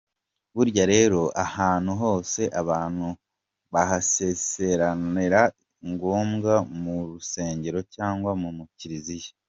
Burya rero ahantu hose abantu bahasezeranira si ngombwa mu rusengero cyangwa mu kiriziya.